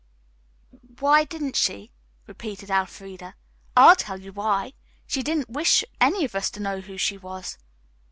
"Why didn't she?" repeated Elfreda. "I'll tell you why. She didn't wish any of us to know who she was.